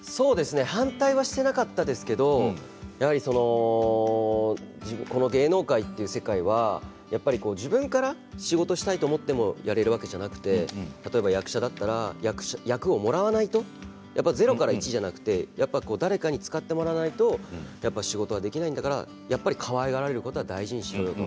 反対はしていなかったんですけれどこの芸能界という世界は自分から仕事をしたいと思ってもやれるわけではなくて役者だったら役をもらわないと０から１ではなくて誰かに使ってもらわないと仕事はできないんだからやっぱり、かわいがられることは大事にしろと。